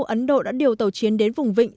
ấn độ đã điều tàu chiến đến vùng vịnh